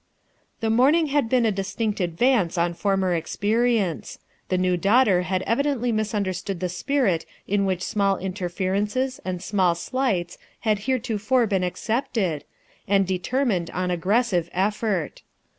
The morning had been a distinct advance on former experiences. The new daughter had evi den try misunderstood the spirit in which small interferences and small slights had heretofore been accepted, and determined on aggressive ef fort.